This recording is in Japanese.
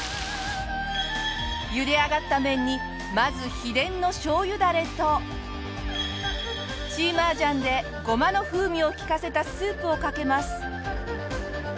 ゆで上がった麺にまず秘伝のしょうゆダレと芝麻醤でゴマの風味を利かせたスープをかけます。